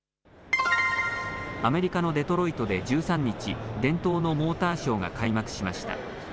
アメリカのデトロイトで１３日、伝統のモーターショーが開幕しました。